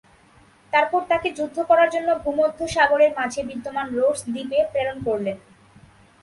তারপর তাঁকে যুদ্ধ করার জন্য ভূমধ্য সাগরের মাঝে বিদ্যমান রোডস্ দ্বীপে প্রেরণ করলেন।